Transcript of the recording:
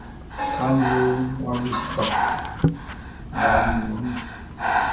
Aliɛʼn wʼa lo kpa, n rali min wun.